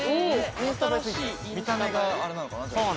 インスタ見た目があれなのかな